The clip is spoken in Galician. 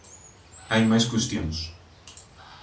Hai máis cuestións.